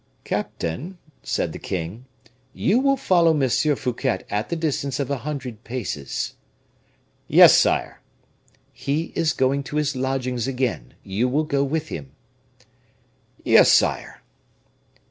"Captain," said the king, "you will follow M. Fouquet at the distance of a hundred paces." "Yes, sire." "He is going to his lodgings again. You will go with him." "Yes, sire."